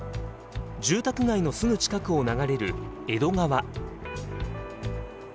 住宅街のすぐ近くを流れる江戸川。